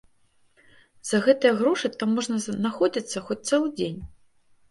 За гэтыя грошы там можна знаходзіцца хоць цэлы дзень.